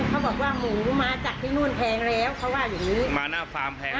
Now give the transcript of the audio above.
เขาบอกว่าหมูมาจากที่นู่นแพงแล้วเขาว่าอย่างงี้มาหน้าฟาร์มแพง